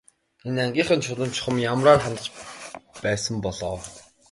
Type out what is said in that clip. Энэ ангийнхан Чулуунд чухам ямраар хандаж байсан бол оо.